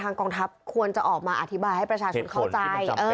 กองทัพควรจะออกมาอธิบายให้ประชาชนเข้าใจ